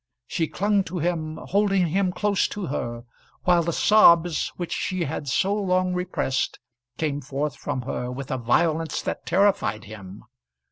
She clung to him, holding him close to her, while the sobs which she had so long repressed came forth from her with a violence that terrified him.